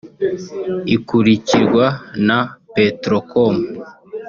ikurikirwa na Petrocom